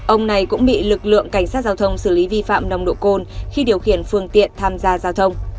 ông này cũng bị lực lượng cảnh sát giao thông xử lý vi phạm nồng độ cồn khi điều khiển phương tiện tham gia giao thông